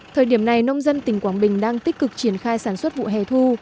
thời điểm này nông dân tỉnh quảng bình đang tích cực triển khai sản xuất vụ hè thu